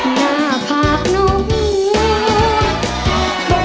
หน้าภาพหนุ้ง